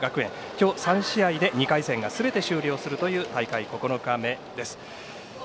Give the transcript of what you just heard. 今日３試合で２回戦がすべて終了するという大会９日目です。